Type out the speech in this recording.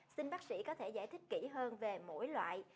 xin bác sĩ có thể giải thích kỹ hơn về mỗi loại